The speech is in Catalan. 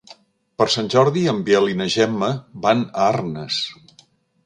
Per Sant Jordi en Biel i na Gemma van a Arnes.